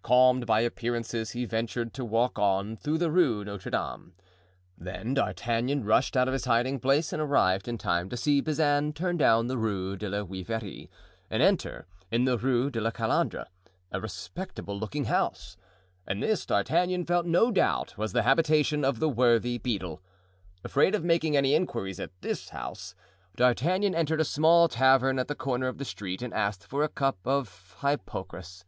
Calmed by appearances he ventured to walk on through the Rue Notre Dame. Then D'Artagnan rushed out of his hiding place and arrived in time to see Bazin turn down the Rue de la Juiverie and enter, in the Rue de la Calandre, a respectable looking house; and this D'Artagnan felt no doubt was the habitation of the worthy beadle. Afraid of making any inquiries at this house, D'Artagnan entered a small tavern at the corner of the street and asked for a cup of hypocras.